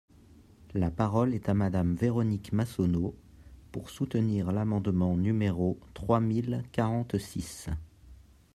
La parole est à Madame Véronique Massonneau, pour soutenir l’amendement numéro trois mille quarante-six.